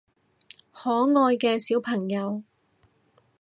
可愛嘅小朋友